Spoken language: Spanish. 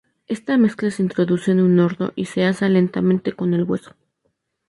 Esta mezcla se introduce en un horno y se asa lentamente con el hueso.